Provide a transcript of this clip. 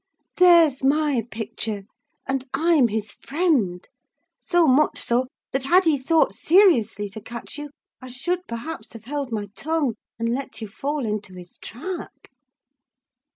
There's my picture: and I'm his friend—so much so, that had he thought seriously to catch you, I should, perhaps, have held my tongue, and let you fall into his trap."